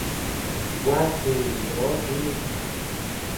Gua jinuno dí.